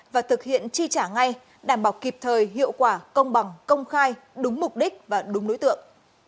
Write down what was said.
và thực hiện chi trả ngay đảm bảo kịp thời hiệu quả công bằng công khai đúng mục đích và đúng nối tượng